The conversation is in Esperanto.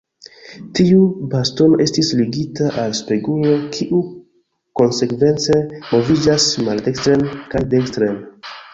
Tiu bastono estis ligita al spegulo, kiu konsekvence moviĝas maldekstren kaj dekstren.